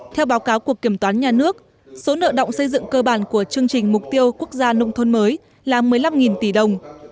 theo báo cáo của kiểm toán nhà nước số nợ động xây dựng cơ bản của chương trình mục tiêu quốc gia nông thôn mới là một mươi năm tỷ đồng